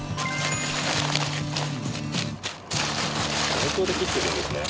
包丁で切ってるんですね。